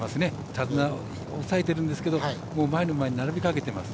手綱を抑えてるんですけど前の馬に並びかけてます。